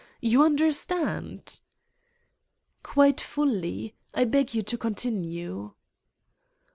. you understand ?" "Quite fully. I beg you to continue."